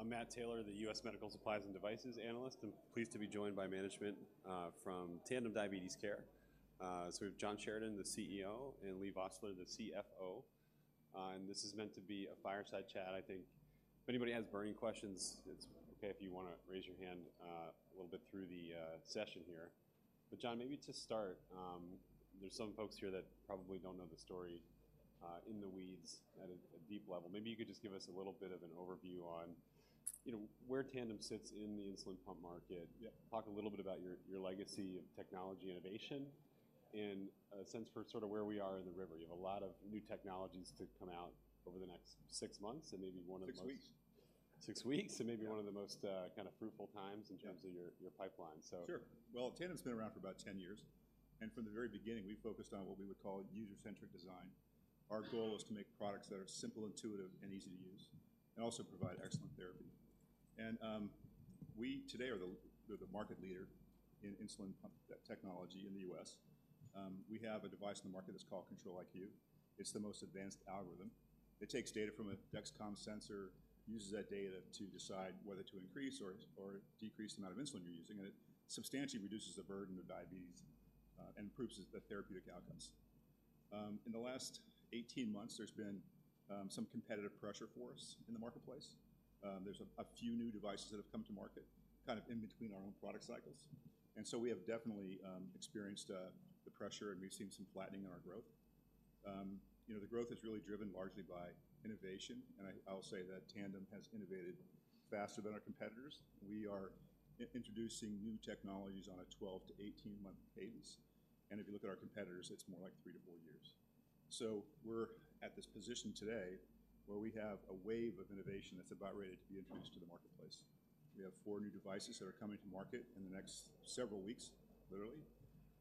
London. I'm Matt Taylor, the U.S. Medical Supplies and Devices analyst. I'm pleased to be joined by management from Tandem Diabetes Care. So we have John Sheridan, the CEO, and Leigh Vosseller, the CFO. And this is meant to be a fireside chat. I think if anybody has burning questions, it's okay if you want to raise your hand a little bit through the session here. But John, maybe to start, there's some folks here that probably don't know the story in the weeds at a deep level. Maybe you could just give us a little bit of an overview on, you know, where Tandem sits in the insulin pump market. Yeah. Talk a little bit about your, your legacy of technology innovation and a sense for sort of where we are in the river. You have a lot of new technologies to come out over the next six months, and maybe one of the most- Six weeks. Six weeks, and maybe one of the most, kind of fruitful times- Yeah In terms of your, your pipeline. So. Sure. Well, Tandem's been around for about 10 years, and from the very beginning, we focused on what we would call user-centric design. Our goal is to make products that are simple, intuitive, and easy to use, and also provide excellent therapy. And, we today are the, we're the market leader in insulin pump technology in the U.S. We have a device on the market that's called Control-IQ. It's the most advanced algorithm. It takes data from a Dexcom sensor, uses that data to decide whether to increase or decrease the amount of insulin you're using, and it substantially reduces the burden of diabetes, and improves the therapeutic outcomes. In the last 18 months, there's been some competitive pressure for us in the marketplace. There's a few new devices that have come to market kind of in between our own product cycles, and so we have definitely experienced the pressure, and we've seen some flattening in our growth. You know, the growth is really driven largely by innovation, and I'll say that Tandem has innovated faster than our competitors. We are introducing new technologies on a 12-18-month cadence, and if you look at our competitors, it's more like three-four years. So we're at this position today where we have a wave of innovation that's about ready to be introduced to the marketplace. We have four new devices that are coming to market in the next several weeks, literally,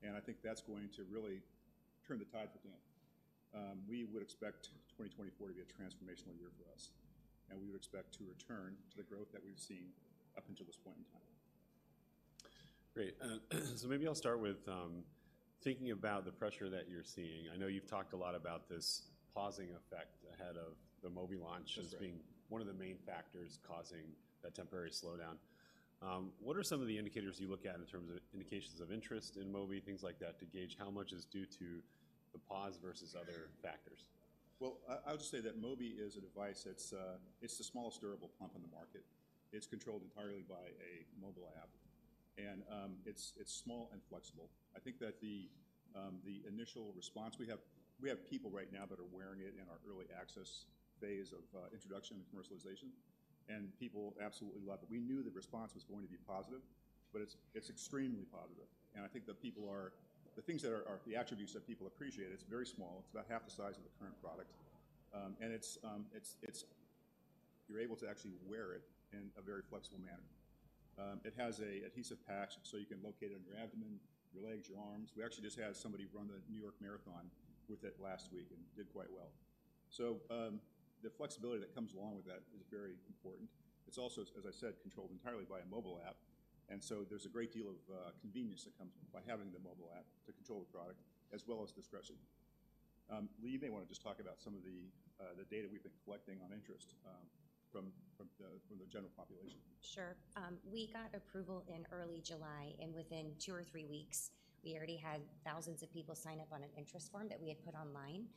and I think that's going to really turn the tide for Tandem. We would expect 2024 to be a transformational year for us, and we would expect to return to the growth that we've seen up until this point in time. Great. So maybe I'll start with thinking about the pressure that you're seeing. I know you've talked a lot about this pausing effect ahead of the Mobi launch- Right... as being one of the main factors causing that temporary slowdown. What are some of the indicators you look at in terms of indications of interest in Mobi, things like that, to gauge how much is due to the pause versus other factors? Well, I would just say that Mobi is a device that's the smallest durable pump on the market. It's controlled entirely by a mobile app, and it's small and flexible. I think that the initial response... We have people right now that are wearing it in our early access phase of introduction and commercialization, and people absolutely love it. We knew the response was going to be positive, but it's extremely positive, and I think the attributes that people appreciate, it's very small. It's about half the size of the current product, and you're able to actually wear it in a very flexible manner. It has an adhesive patch, so you can locate it on your abdomen, your legs, your arms. We actually just had somebody run the New York Marathon with it last week and did quite well. So, the flexibility that comes along with that is very important. It's also, as I said, controlled entirely by a mobile app, and so there's a great deal of convenience that comes by having the mobile app to control the product, as well as discretion. Leigh, you may want to just talk about some of the data we've been collecting on interest from the general population. Sure. We got approval in early July, and within two or three weeks, we already had thousands of people sign up on an interest form that we had put online.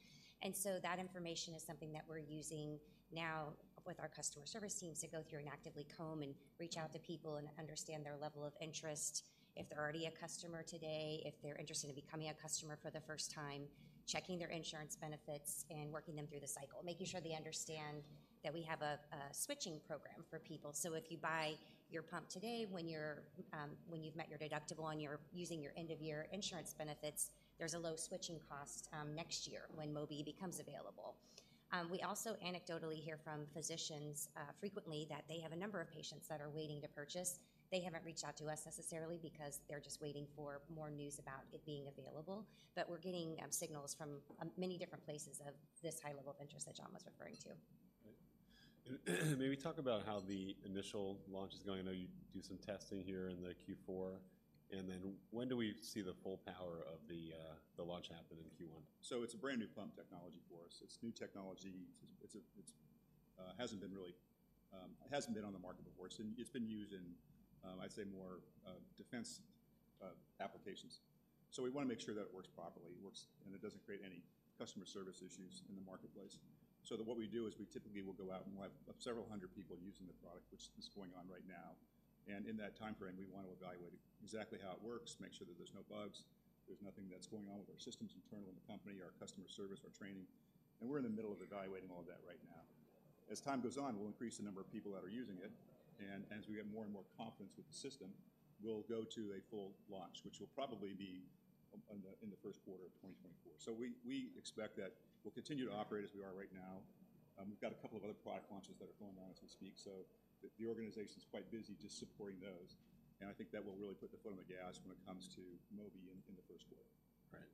So that information is something that we're using now with our customer service teams to go through and actively comb and reach out to people and understand their level of interest, if they're already a customer today, if they're interested in becoming a customer for the first time, checking their insurance benefits and working them through the cycle. Making sure they understand that we have a switching program for people. So if you buy your pump today, when you're, when you've met your deductible and you're using your end-of-year insurance benefits, there's a low switching cost, next year when Mobi becomes available. We also anecdotally hear from physicians frequently that they have a number of patients that are waiting to purchase. They haven't reached out to us necessarily because they're just waiting for more news about it being available. But we're getting signals from many different places of this high level of interest that John was referring to. Maybe talk about how the initial launch is going. I know you do some testing here in the Q4. Then when do we see the full power of the launch happen in Q1? So it's a brand-new pump technology for us. It's new technology. It hasn't been really on the market before. It's been used in, I'd say, more defense applications. So we want to make sure that it works properly, it works, and it doesn't create any customer service issues in the marketplace. So what we do is we typically will go out, and we'll have several hundred people using the product, which is going on right now. And in that timeframe, we want to evaluate exactly how it works, make sure that there's no bugs, there's nothing that's going on with our systems internal in the company, our customer service, our training, and we're in the middle of evaluating all of that right now. As time goes on, we'll increase the number of people that are using it, and as we get more and more confidence with the system, we'll go to a full launch, which will probably be in the first quarter of 2024. We expect that we'll continue to operate as we are right now. We've got a couple of other product launches that are going on as we speak, so the organization's quite busy just supporting those, and I think that will really put the foot on the gas when it comes to Mobi in the first quarter. Right.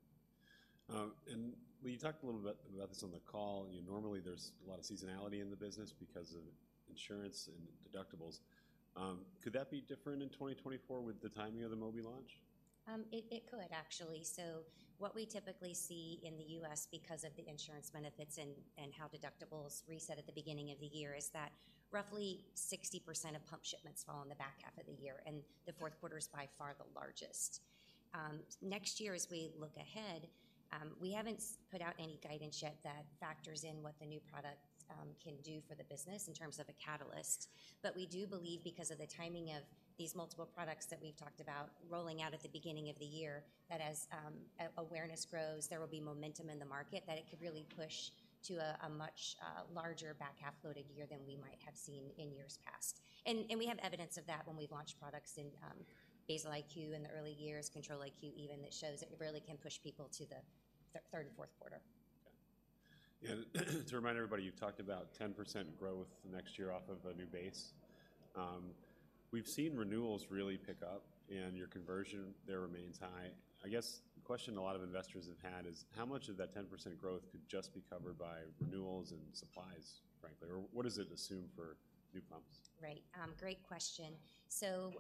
And will you talk a little bit about this on the call? You know, normally there's a lot of seasonality in the business because of insurance and deductibles. Could that be different in 2024 with the timing of the Mobi launch?... It could actually. So what we typically see in the U.S. because of the insurance benefits and how deductibles reset at the beginning of the year is that roughly 60% of pump shipments fall in the back half of the year, and the fourth quarter is by far the largest. Next year, as we look ahead, we haven't put out any guidance yet that factors in what the new products can do for the business in terms of a catalyst. But we do believe because of the timing of these multiple products that we've talked about rolling out at the beginning of the year, that as awareness grows, there will be momentum in the market, that it could really push to a much larger back half loaded year than we might have seen in years past. We have evidence of that when we've launched products in Basal-IQ in the early years, Control-IQ even, that shows that you really can push people to the third and fourth quarter. Yeah. And to remind everybody, you've talked about 10% growth next year off of a new base. We've seen renewals really pick up, and your conversion there remains high. I guess the question a lot of investors have had is: How much of that 10% growth could just be covered by renewals and supplies, frankly? Or what does it assume for new pumps? Right. Great question. So,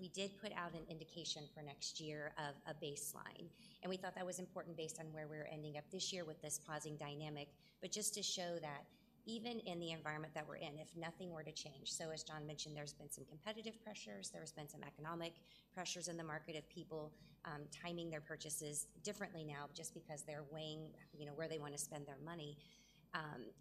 we did put out an indication for next year of a baseline, and we thought that was important based on where we're ending up this year with this pausing dynamic. But just to show that even in the environment that we're in, if nothing were to change, so as John mentioned, there's been some competitive pressures, there has been some economic pressures in the market of people, timing their purchases differently now just because they're weighing, you know, where they want to spend their money,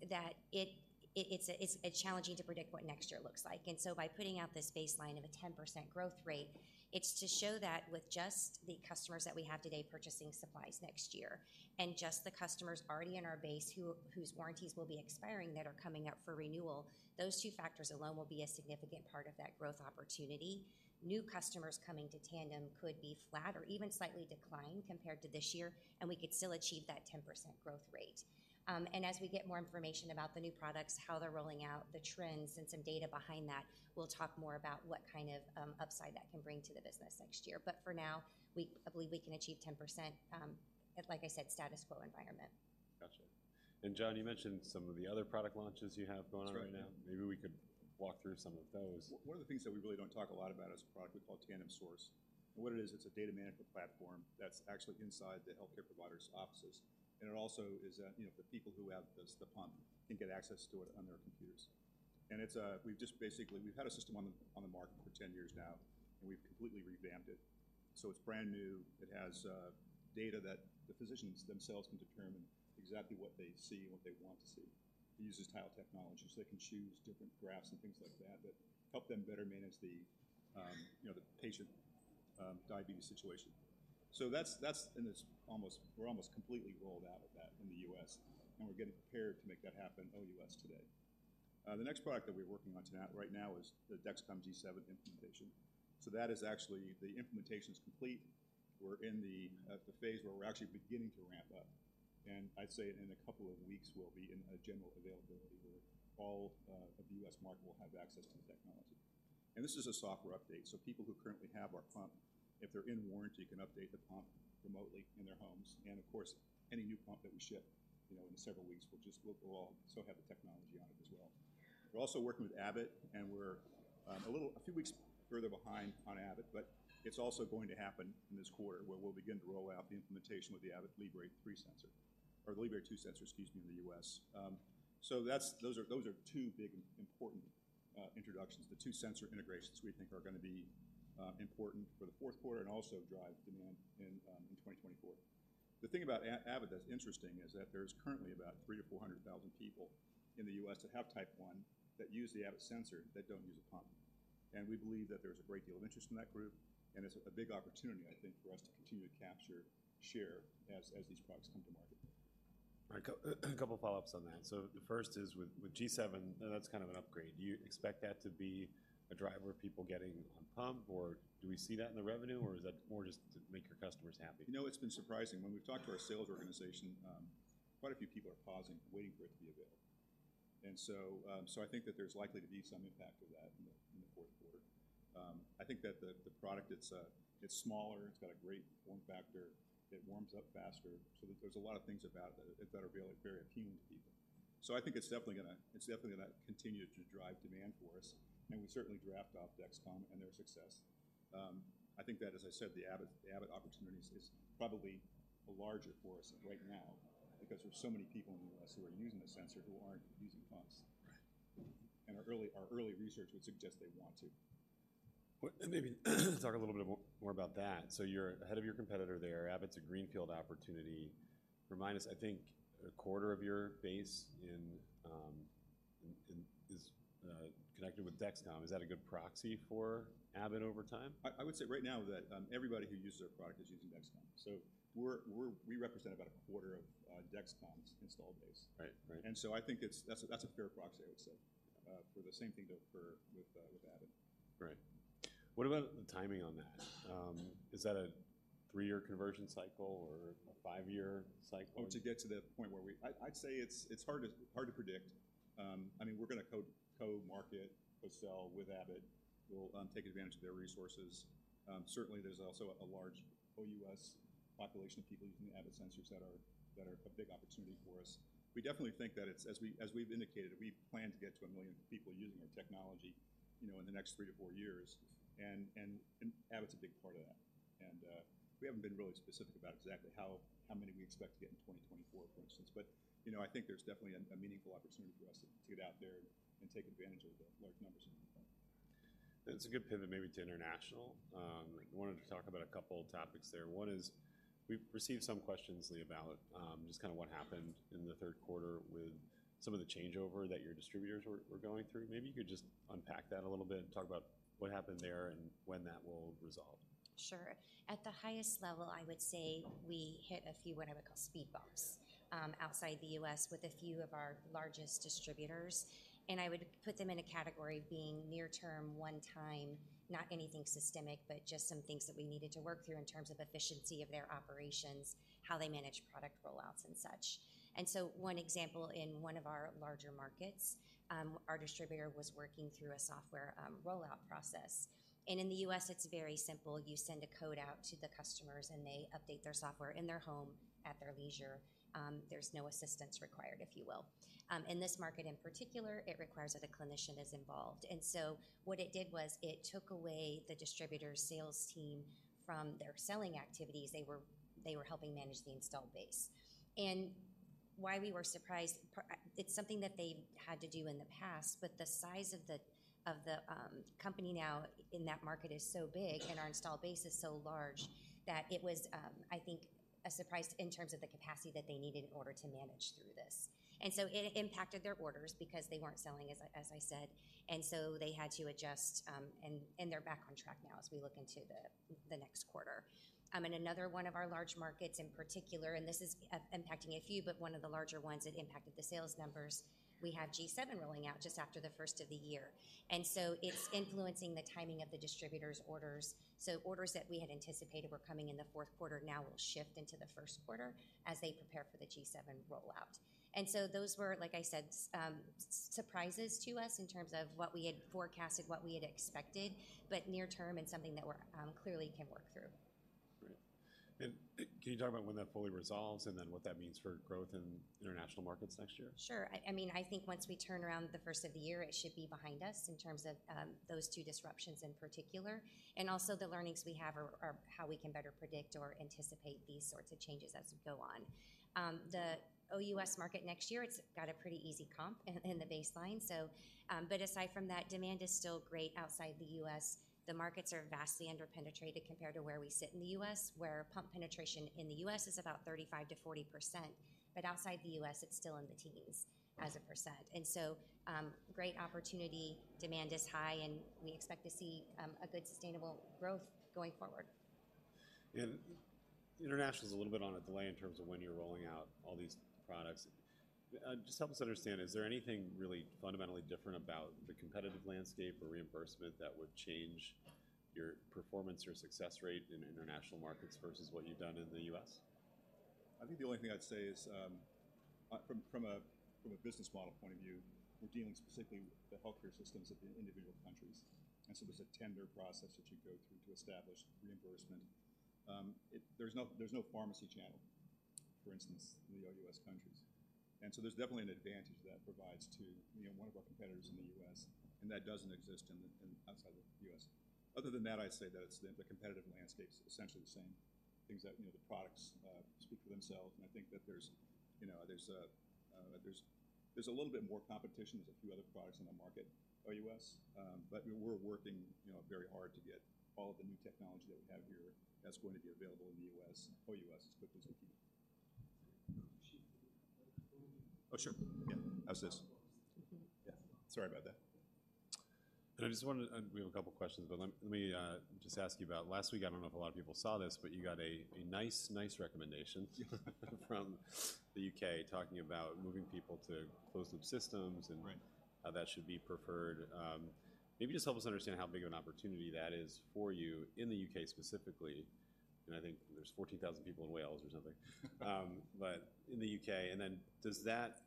that it, it's a, it's challenging to predict what next year looks like. By putting out this baseline of a 10% growth rate, it's to show that with just the customers that we have today purchasing supplies next year, and just the customers already in our base who, whose warranties will be expiring that are coming up for renewal, those two factors alone will be a significant part of that growth opportunity. New customers coming to Tandem could be flat or even slightly decline compared to this year, and we could still achieve that 10% growth rate. And as we get more information about the new products, how they're rolling out, the trends and some data behind that, we'll talk more about what kind of upside that can bring to the business next year. But for now, we—I believe we can achieve 10%, like I said, status quo environment. Gotcha. And John, you mentioned some of the other product launches you have going on right now. That's right. Maybe we could walk through some of those. One of the things that we really don't talk a lot about is a product we call Tandem Source. And what it is, it's a data management platform that's actually inside the healthcare provider's offices. And it also is that, you know, the people who have the pump can get access to it on their computers. And it's, we've just basically we've had a system on the market for 10 years now, and we've completely revamped it. So it's brand new. It has data that the physicians themselves can determine exactly what they see and what they want to see. It uses tile technology, so they can choose different graphs and things like that that help them better manage the, you know, the patient diabetes situation. So that's, that's... We're almost completely rolled out with that in the U.S., and we're getting prepared to make that happen OUS today. The next product that we're working on tonight, right now is the Dexcom G7 implementation. So that is actually, the implementation's complete. We're in the phase where we're actually beginning to ramp up, and I'd say in a couple of weeks, we'll be in a general availability where all of the U.S. market will have access to the technology. And this is a software update, so people who currently have our pump, if they're in warranty, can update the pump remotely in their homes. And of course, any new pump that we ship, you know, in several weeks, will just also have the technology on it as well. We're also working with Abbott, and we're a few weeks further behind on Abbott, but it's also going to happen in this quarter, where we'll begin to roll out the implementation with the Abbott Libre 3 sensor, or Libre 2 sensor, excuse me, in the U.S. So that's those are two big, important introductions. The two sensor integrations we think are going to be important for the fourth quarter and also drive demand in 2024. The thing about Abbott that's interesting is that there's currently about 300,000-400,000 people in the U.S. that have Type 1, that use the Abbott sensor, that don't use a pump. We believe that there's a great deal of interest in that group, and it's a big opportunity, I think, for us to continue to capture share as these products come to market. A couple follow-ups on that. The first is with G7, that's kind of an upgrade. Do you expect that to be a driver of people getting on pump, or do we see that in the revenue, or is that more just to make your customers happy? You know, it's been surprising. When we've talked to our sales organization, quite a few people are pausing, waiting for it to be available. So I think that there's likely to be some impact of that in the fourth quarter. I think that the product, it's smaller, it's got a great form factor, it warms up faster. So there's a lot of things about it that are really very appealing to people. So I think it's definitely gonna, it's definitely gonna continue to drive demand for us, and we certainly draft off Dexcom and their success. I think that, as I said, the Abbott opportunity is probably larger for us right now because there's so many people in the U.S. who are using the sensor, who aren't using pumps. Right. And our early research would suggest they want to. What? Maybe talk a little bit more, more about that. So you're ahead of your competitor there. Abbott's a greenfield opportunity. Remind us, I think a quarter of your base in, in, is connected with Dexcom. Is that a good proxy for Abbott over time? I would say right now that everybody who uses their product is using Dexcom. So we represent about a quarter of Dexcom's installed base. Right. Right. And so I think it's... That's a, that's a fair proxy, I would say, for the same thing to occur with, with Abbott. Right. What about the timing on that? Is that a three-year conversion cycle or a five-year cycle? To get to the point where we... I'd say it's hard to predict. I mean, we're going to co-market, co-sell with Abbott. We'll take advantage of their resources. Certainly, there's also a large OUS population of people using the Abbott sensors that are a big opportunity for us. We definitely think that it's, as we've indicated, we plan to get to 1 million people using our technology, you know, in the next three to four years. And Abbott's a big part of that. And we haven't been really specific about exactly how many we expect to get in 2024, for instance. But you know, I think there's definitely a meaningful opportunity for us to get out there and take advantage of the large numbers. It's a good pivot, maybe to international. I wanted to talk about a couple of topics there. One is, we've received some questions, Leigh, about just kind of what happened in the third quarter with some of the changeover that your distributors were going through. Maybe you could just unpack that a little bit and talk about what happened there and when that will resolve. Sure. At the highest level, I would say we hit a few, what I would call speed bumps- Yeah... outside the U.S. with a few of our largest distributors, and I would put them in a category being near term, one time, not anything systemic, but just some things that we needed to work through in terms of efficiency of their operations, how they manage product rollouts and such. And so one example, in one of our larger markets, our distributor was working through a software rollout process. And in the U.S., it's very simple. You send a code out to the customers, and they update their software in their home at their leisure. There's no assistance required, if you will. In this market in particular, it requires that a clinician is involved. And so what it did was it took away the distributor's sales team from their selling activities. They were helping manage the installed base. Why we were surprised. It's something that they've had to do in the past, but the size of the company now in that market is so big, and our installed base is so large that it was, I think, a surprise in terms of the capacity that they needed in order to manage through this. And so it impacted their orders because they weren't selling, as I said, and so they had to adjust, and they're back on track now as we look into the next quarter. In another one of our large markets in particular, and this is impacting a few, but one of the larger ones that impacted the sales numbers, we have G7 rolling out just after the first of the year, and so it's influencing the timing of the distributor's orders. So orders that we had anticipated were coming in the fourth quarter now will shift into the first quarter as they prepare for the G7 rollout. And so those were, like I said, surprises to us in terms of what we had forecasted, what we had expected, but near term and something that we're clearly can work through. Great. Can you talk about when that fully resolves, and then what that means for growth in international markets next year? Sure. I mean, I think once we turn around the first of the year, it should be behind us in terms of those two disruptions in particular. And also the learnings we have are how we can better predict or anticipate these sorts of changes as we go on. The OUS market next year, it's got a pretty easy comp in the baseline. So, but aside from that, demand is still great outside the U.S. The markets are vastly underpenetrated compared to where we sit in the U.S., where pump penetration in the U.S. is about 35%-40%, but outside the U.S., it's still in the teens as a percent. And so, great opportunity, demand is high, and we expect to see a good, sustainable growth going forward. International's a little bit on a delay in terms of when you're rolling out all these products. Just help us understand, is there anything really fundamentally different about the competitive landscape or reimbursement that would change your performance or success rate in international markets versus what you've done in the U.S.? I think the only thing I'd say is, from a business model point of view, we're dealing specifically with the healthcare systems of the individual countries, and so there's a tender process that you go through to establish reimbursement. It-- there's no pharmacy channel, for instance, in the OUS countries. And so there's definitely an advantage that provides to, you know, one of our competitors in the U.S., and that doesn't exist in outside of the US. Other than that, I'd say that it's the competitive landscape is essentially the same. Things that, you know, the products speak for themselves, and I think that there's, you know, there's a little bit more competition. There's a few other products on the market, OUS, but you know, we're working, you know, very hard to get all of the new technology that we have here that's going to be available in the U.S, OUS, as quickly as we can. Oh, sure. Yeah. How's this? Mm-hmm. Yeah. Sorry about that. I just wanted to—we have a couple questions, but let me just ask you about last week. I don't know if a lot of people saw this, but you got a nice recommendation from the U.K., talking about moving people to closed loop systems and- Right... how that should be preferred. Maybe just help us understand how big of an opportunity that is for you in the U.K. specifically. And I think there's 14,000 people in Wales or something. But in the U.K., and then, does that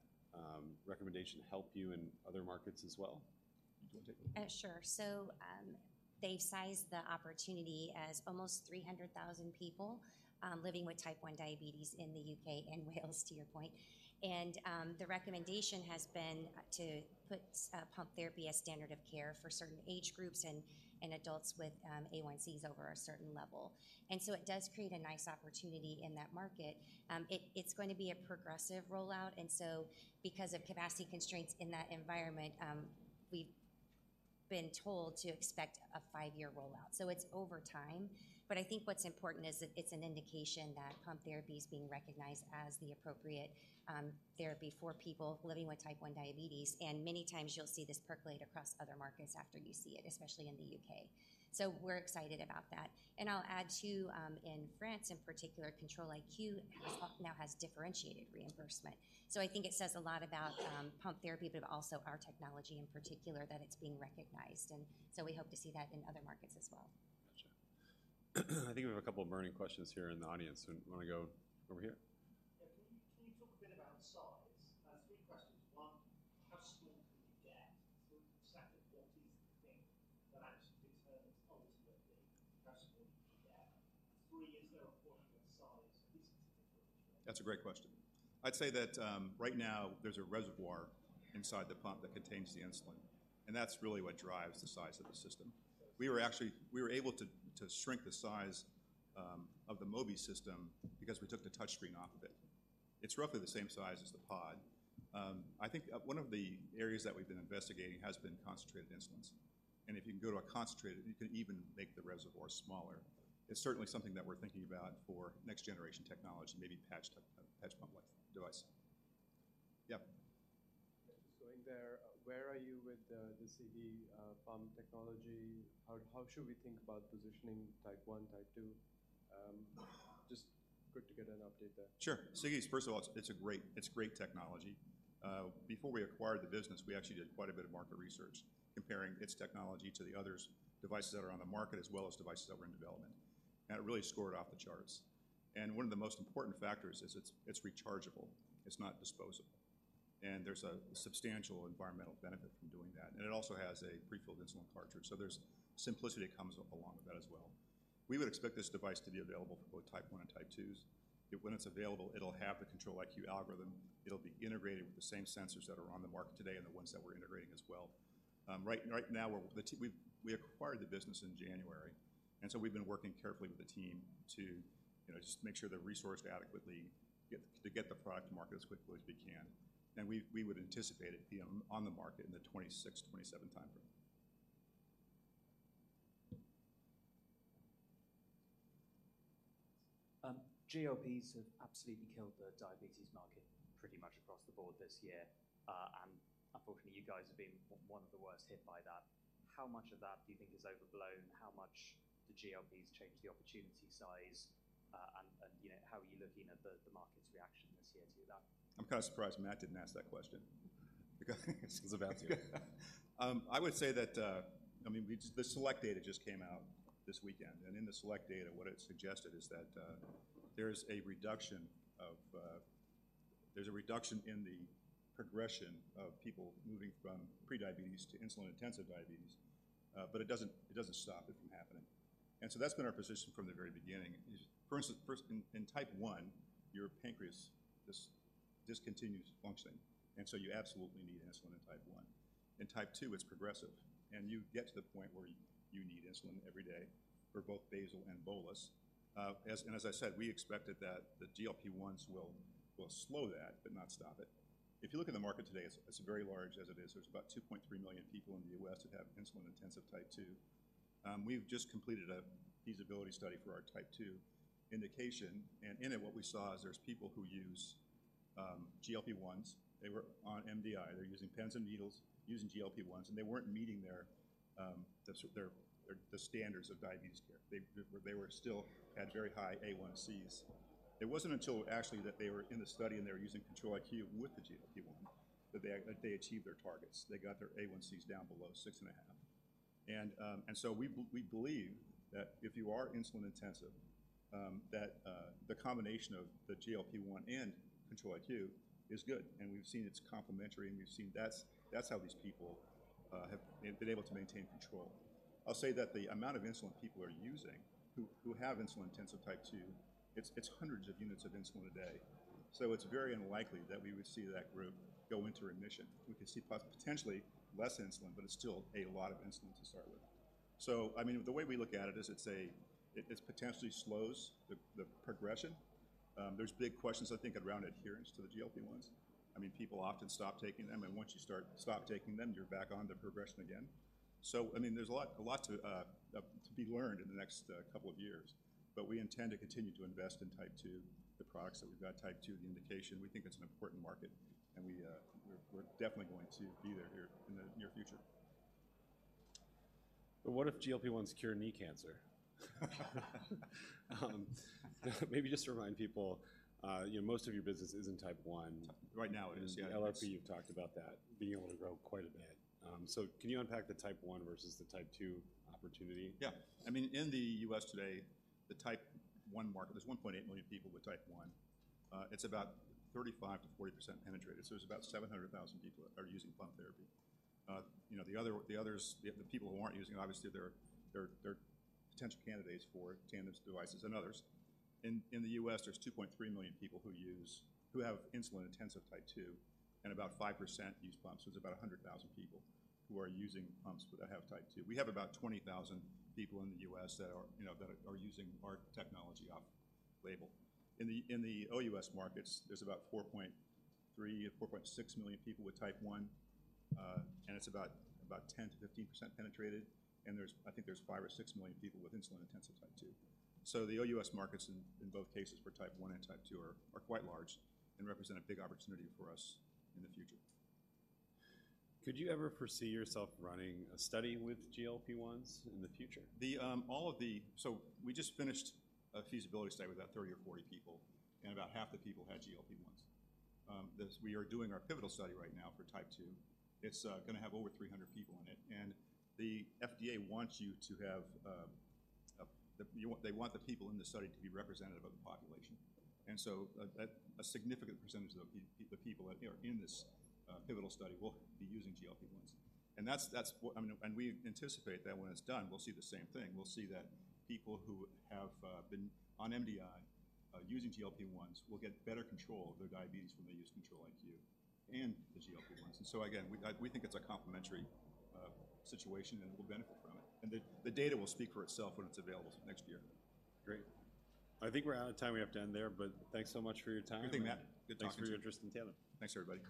recommendation help you in other markets as well? Do you want to take that? Sure. So, they've sized the opportunity as almost 300,000 people living with type 1 diabetes in the U.K. and Wales, to your point. The recommendation has been to put pump therapy as standard of care for certain age groups and adults with A1Cs over a certain level. So it does create a nice opportunity in that market. It's going to be a progressive rollout, and so because of capacity constraints in that environment, we've been told to expect a five-year rollout. So it's over time, but I think what's important is that it's an indication that pump therapy is being recognized as the appropriate therapy for people living with type 1 diabetes. And many times, you'll see this percolate across other markets after you see it, especially in the U.K. So we're excited about that. And I'll add, too, in France, in particular, Control-IQ now has differentiated reimbursement. So I think it says a lot about, pump therapy, but also our technology in particular, that it's being recognized, and so we hope to see that in other markets as well. Gotcha. I think we have a couple of burning questions here in the audience, and want to go over here? Yeah, can you, can you talk a bit about size? Three questions. One, how small can you? That's a great question. I'd say that, right now there's a reservoir inside the pump that contains the insulin, and that's really what drives the size of the system. We were actually. We were able to shrink the size of the Mobi system because we took the touchscreen off of it. It's roughly the same size as the pod. I think, one of the areas that we've been investigating has been concentrated insulin, and if you can go to a concentrated, you can even make the reservoir smaller. It's certainly something that we're thinking about for next generation technology, maybe patch or a patch pump-like device. Yep. Just going there, where are you with the Sigi pump technology? How should we think about positioning Type 1, Type 2? Just good to get an update there. Sure. Sigi, first of all, it's great technology. Before we acquired the business, we actually did quite a bit of market research comparing its technology to the other devices that are on the market, as well as devices that were in development. It really scored off the charts. One of the most important factors is it's rechargeable, it's not disposable, and there's a substantial environmental benefit from doing that. It also has a prefilled insulin cartridge, so there's simplicity that comes up along with that as well. We would expect this device to be available for both Type 1 and Type 2. When it's available, it'll have the Control-IQ algorithm. It'll be integrated with the same sensors that are on the market today and the ones that we're integrating as well. Right now, we're working carefully with the team to, you know, just make sure they're resourced adequately, to get the product to market as quickly as we can. And we would anticipate it being on the market in the 2026-2027 timeframe. GLPs have absolutely killed the diabetes market pretty much across the board this year. Unfortunately, you guys have been one of the worst hit by that. How much of that do you think is overblown? How much the GLPs change the opportunity size? And, you know, how are you looking at the market's reaction this year to that? I'm kind of surprised Matt didn't ask that question. Because he was about to. I would say that, I mean, we, the SELECT data just came out this weekend, and in the SELECT data, what it suggested is that, there's a reduction in the progression of people moving from prediabetes to insulin-intensive diabetes. But it doesn't stop it from happening. And so that's been our position from the very beginning, is first, in Type 1, your pancreas discontinues functioning, and so you absolutely need insulin in Type 1. In Type 2, it's progressive, and you get to the point where you need insulin every day for both basal and bolus. And as I said, we expected that the GLP-1s will slow that, but not stop it. If you look at the market today, it's very large as it is. There's about 2.3 million people in the U.S. that have insulin-intensive Type 2. We've just completed a feasibility study for our Type 2 indication, and in it, what we saw is there's people who use GLP-1s. They were on MDI. They're using pens and needles, using GLP-1s, and they weren't meeting their standards of diabetes care. They were still at very high A1Cs. It wasn't until actually that they were in the study and they were using Control-IQ with the GLP-1 that they achieved their targets. They got their A1Cs down below 6.5. And so we believe that if you are insulin intensive, that the combination of the GLP-1 and Control-IQ is good, and we've seen it's complementary, and we've seen that's how these people have been able to maintain control. I'll say that the amount of insulin people are using, who have insulin-intensive Type, it's hundreds of units of insulin a day. So it's very unlikely that we would see that group go into remission. We could see potentially less insulin, but it's still a lot of insulin to start with. So, I mean, the way we look at it is it potentially slows the progression. There's big questions, I think, around adherence to the GLP-1s. I mean, people often stop taking them, and once you stop taking them, you're back on the progression again. So, I mean, there's a lot, a lot to be learned in the next couple of years, but we intend to continue to invest in Type 2, the products that we've got, Type 2, the indication. We think it's an important market, and we're definitely going to be there here in the near future. What if GLP-1s cure knee cancer? Maybe just to remind people, you know, most of your business is in Type 1. Right now, it is. Yeah. LRP, you've talked about that being able to grow quite a bit. So can you unpack the Type 1 versus the Type 2 opportunity? Yeah. I mean, in the U.S. today, the Type 1 market, there's 1.8 million people with Type 1. It's about 35%-40% penetrated, so there's about 700,000 people are using pump therapy. You know, the others, the people who aren't using, obviously, they're potential candidates for Tandem's devices and others. In the U.S., there's 2.3 million people who have insulin-intensive Type 2, and about 5% use pumps, so it's about 100,000 people who are using pumps, but that have Type 2. We have about 20,000 people in the U.S. that are, you know, that are using our technology off label. In the OUS markets, there's about 4.3-4.6 million people with Type 1, and it's about 10%-15% penetrated. And there's, I think there's five or six million people with insulin-intensive Type 2. So the OUS markets, in both cases for Type 1 and Type 2, are quite large and represent a big opportunity for us in the future. Could you ever foresee yourself running a study with GLP-1s in the future? So we just finished a feasibility study with about 30 or 40 people, and about half the people had GLP-1s. We are doing our pivotal study right now for Type 2. It's gonna have over 300 people in it, and the FDA wants you to have. They want the people in this study to be representative of the population. And so a significant percentage of the people that are in this pivotal study will be using GLP-1s. And that's what I mean, and we anticipate that when it's done, we'll see the same thing. We'll see that people who have been on MDI using GLP-1s will get better control of their diabetes when they use Control-IQ and the GLP-1s. So again, we think it's a complementary situation, and we'll benefit from it. The data will speak for itself when it's available next year. Great. I think we're out of time. We have to end there, but thanks so much for your time. Thank you, Matt. Good talking to you. Thanks for your interest in Tandem. Thanks, everybody.